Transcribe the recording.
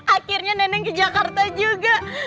akhirnya neneng ke jakarta juga